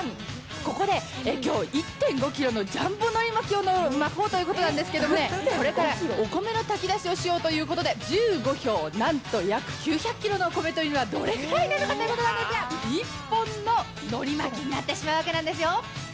ここできょう、１．５キロのジャンボのり巻きを巻こうということなんですけどね、これからお米の炊き出しをしようということで、１５俵、なんと約９００キロのお米というのはどれぐらいなのかということなんですが、１本ののり巻きになってしまうわけなんですよ。